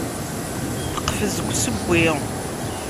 Teqfez deg usewwi.